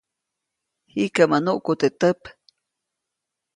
Jikäʼmä nuʼku teʼ täp.